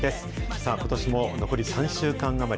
さあ、ことしも残り３週間余り。